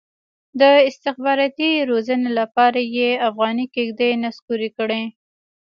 د استخباراتي روزۍ لپاره یې افغاني کېږدۍ نسکورې کړي.